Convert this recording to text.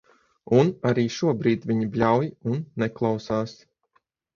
Un arī šobrīd viņi bļauj un neklausās.